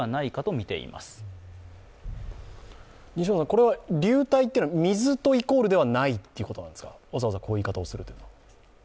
これは流体というのは水とイコールではないということなんですか、わざわざこういう言い方をするというのは。